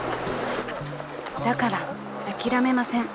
［だから諦めません。